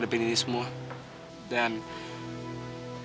aku selalu berhenti